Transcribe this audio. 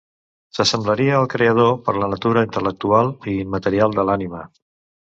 S'assemblaria al creador per la natura intel·lectual i immaterial de l'ànima.